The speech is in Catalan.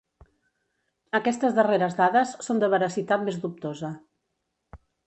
Aquestes darreres dades són de veracitat més dubtosa.